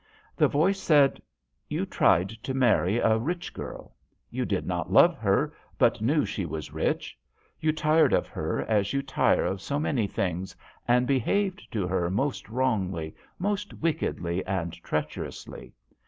The voice said "You tried to marry a rich girl. You did not love her, but knew she was rich. You tired of her as you tire of so many things, and behaved to her most wrongly, most wickedly and treacherously.